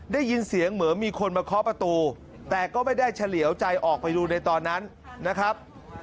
ได้ยินเสียงเหมือนมีคนมาเคาะประตูแต่ก็ไม่ได้เฉลี่ยวใจออกไปดูในตอนนั้นนะครับ